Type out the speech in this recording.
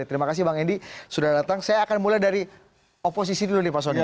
terima kasih bang edi sudah datang saya akan mulai dari oposisi dulu nih pak soni